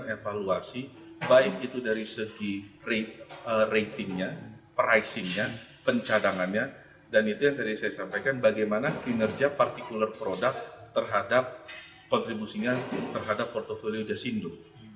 kita akan evaluasi baik itu dari segi ratingnya pricingnya pencadangannya dan itu yang tadi saya sampaikan bagaimana kinerja particular product terhadap kontribusinya terhadap portfolio desindo